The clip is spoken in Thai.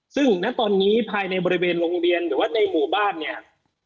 ซึ่งณตอนนี้ภายในบริเวณโรงเรียนหรือว่าในหมู่บ้านเนี่ย